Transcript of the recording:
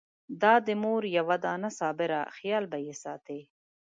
دا د مور یوه دانه صابره خېال به يې ساتي!